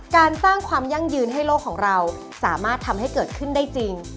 การสร้างความยั่งยืนให้โลกของเราสามารถทำให้เกิดขึ้นได้จริง